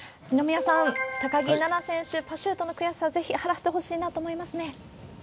二宮さん、高木菜那選手、パシュートの悔しさをぜひ晴らしてほしいなと思いますね。